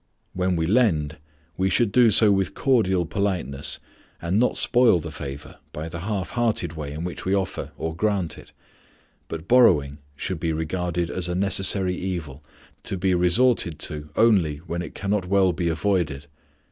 When we lend we should do so with cordial politeness and not spoil the favor by the half hearted way in which we offer or grant it; but borrowing should be regarded as a necessary evil, to be resorted to only when it cannot well be avoided.